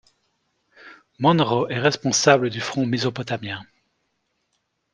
Monro est responsable du front mésopotamien.